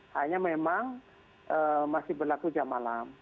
hanya memang masih berlaku jam malam